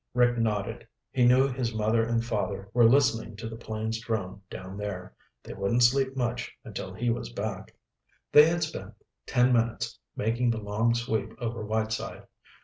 Rick nodded. He knew his mother and father were listening to the plane's drone down there. They wouldn't sleep much until he was back. They had spent ten minutes making the long sweep over Whiteside.